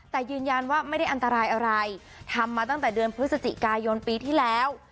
แต่ยืนยันว่าไม่ได้อันตรายอะไรทำมาตั้งแต่เดือนพฤศจิกายนปีที่แล้ว